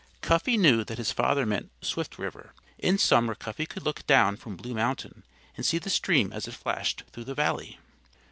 Cuffy knew that his father meant Swift River. In summer Cuffy could look down from Blue Mountain and see the stream as it flashed through the valley.